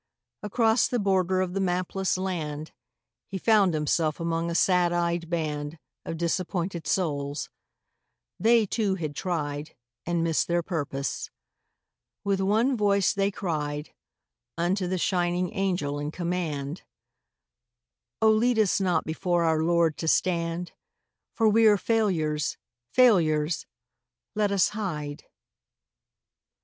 Across the border of the mapless land He found himself among a sad eyed band Of disappointed souls; they, too, had tried And missed their purpose. With one voice they cried Unto the shining Angel in command: 'Oh, lead us not before our Lord to stand, For we are failures, failures! Let us hide.